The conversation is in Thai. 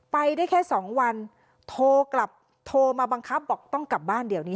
ไปได้แค่สองวันโทรกลับโทรมาบังคับบอกต้องกลับบ้านเดี๋ยวนี้